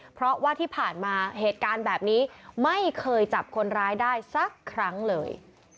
เพราะว่าที่ผ่านมาเหตุการณ์แบบนี้ไม่เคยจับคนร้ายได้สักครั้งเลย